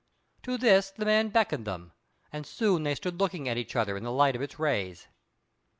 To this the man beckoned them, and soon they stood looking at each other in the light of its rays.